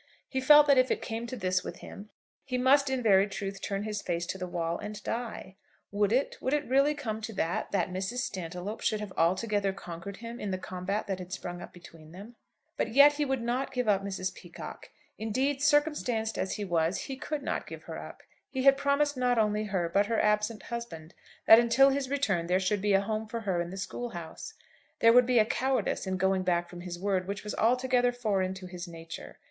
He felt that if it came to this with him he must in very truth turn his face to the wall and die. Would it, would it really come to that, that Mrs. Stantiloup should have altogether conquered him in the combat that had sprung up between them? But yet he would not give up Mrs. Peacocke. Indeed, circumstanced as he was, he could not give her up. He had promised not only her, but her absent husband, that until his return there should be a home for her in the school house. There would be a cowardice in going back from his word which was altogether foreign to his nature.